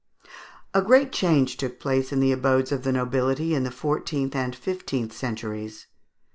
A great change took place in the abodes of the nobility in the fourteenth and fifteenth centuries (Fig.